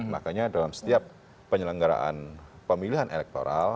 makanya dalam setiap penyelenggaraan pemilihan elektoral